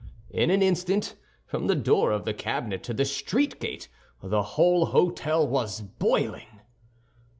In an instant, from the door of the cabinet to the street gate, the whole hôtel was boiling.